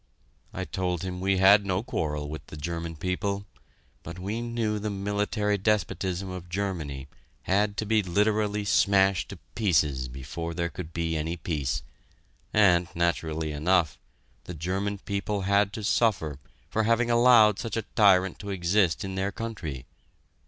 I told him we had no quarrel with the German people, but we knew the military despotism of Germany had to be literally smashed to pieces before there could be any peace, and, naturally enough, the German people had to suffer for having allowed such a tyrant to exist in their country.